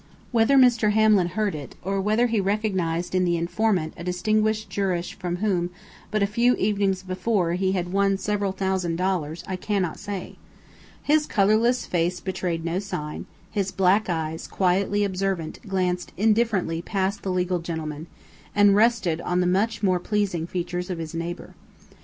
Whether Mr. Hamlin heard it, or whether he recognized in the informant a distinguished jurist from whom, but a few evenings before, he had won several thousand dollars, I cannot say. His colorless face betrayed no sign; his black eyes, quietly observant, glanced indifferently past the legal gentleman, and rested on the much more pleasing features of his neighbor.